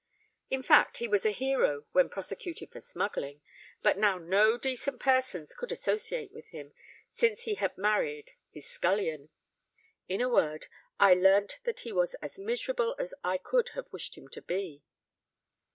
In fact, he was a hero when prosecuted for smuggling; but now no decent persons could associate with him, since he had married his scullion. In a word, I learnt that he was as miserable as I could have wished him to be."